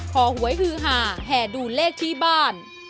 หวยฮือหาแห่ดูเลขที่บ้าน